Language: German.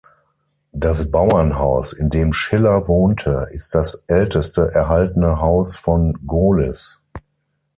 Das Bauernhaus, in dem Schiller wohnte, ist das älteste erhaltene Haus von Gohlis.